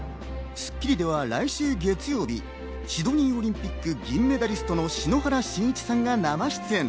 『スッキリ』では来週月曜日、シドニーオリンピック銀メダリストの篠原信一さんが生出演。